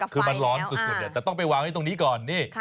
คือมันร้อนสุดแต่ต้องไปวางไว้ตรงนี้ก่อนนี่